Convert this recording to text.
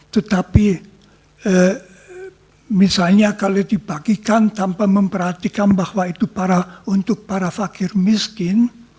tetapi misalnya kalau dibagikan tanpa memperhatikan bahwa itu untuk para fakir miskin